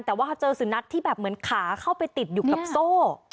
แต่ว่าเจอสุนัขที่แบบเหมือนขาเข้าไปติดอยู่กับโซ่